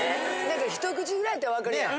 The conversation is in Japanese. ひと口ぐらいやったらわかるやん。